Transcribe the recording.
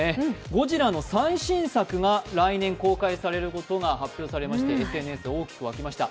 ゴジラの最新作が来年公開されることが発表されまして、ＳＮＳで大きく沸きました。